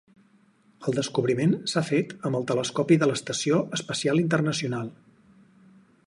El descobriment s'ha fet amb el telescopi de l'estació espacial internacional